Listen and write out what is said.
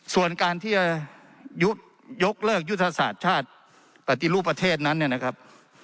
ส่วนการที่จะยกเลิกยุทธศาสตร์ชาติปฏิรูปประเทศนั้นเนี่ยนะครับ